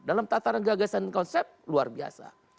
dalam tataran gagasan dan konsep luar biasa